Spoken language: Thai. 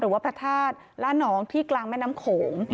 หรือว่าพระธาตุล้านหลองที่กลางแม่น้ำโขง